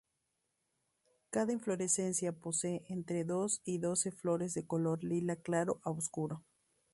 Cada inflorescencia posee entre dos y doce flores de color lila claro a oscuro.